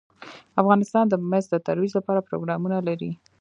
افغانستان د مس د ترویج لپاره پروګرامونه لري.